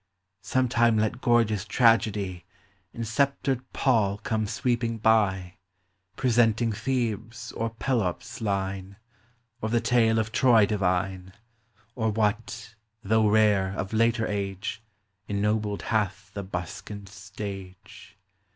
Sometime let gorgeous Tragedy In sceptred pall come sweeping by, Presenting Thebes, or Pelops' line, Or the tale of Troy divine, Or what (though rare) of later age Ennobled hath the buskined stage.